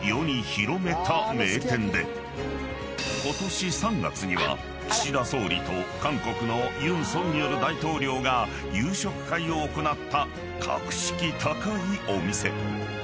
［ことし３月には岸田総理と韓国のユン・ソンニョル大統領が夕食会を行った格式高いお店］